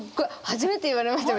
初めて言われました。